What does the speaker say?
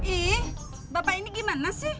ih bapak ini gimana sih